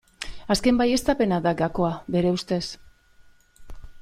Azken baieztapena da gakoa bere ustez.